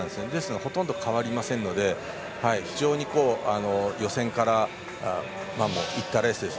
ほとんど変わりませんので非常に予選からいったレースです。